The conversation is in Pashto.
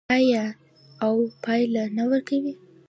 آیا او پایله نه ورکوي؟